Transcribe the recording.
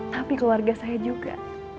tapi keluarga saya juga